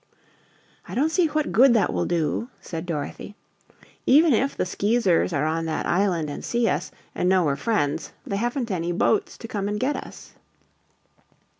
"I don't see what good that will do," said Dorothy. "Even if the Skeezers are on that island and see us, and know we're friends, they haven't any boats to come and get us."